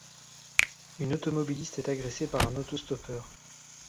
Une automobiliste est agressée par un auto-stoppeur.